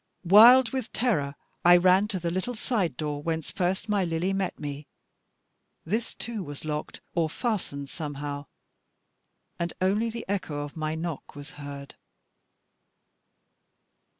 Wild with terror I ran to the little side door, whence first my Lily met me. This too was locked, or fastened somehow; and only the echo of my knock was heard.